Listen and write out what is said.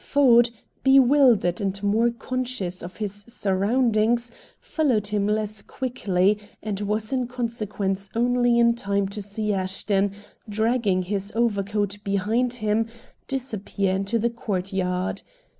Ford, bewildered and more conscious of his surroundings, followed him less quickly, and was in consequence only in time to see Ashton, dragging his overcoat behind him, disappear into the court yard.